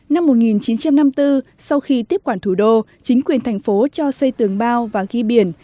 năm một nghìn chín trăm năm mươi bốn sau khi tiếp quản thủ đô chính quyền thành phố cho xây tường bao và ghi biển